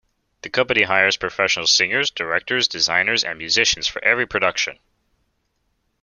The company hires professional singers, directors, designers and musicians for every production.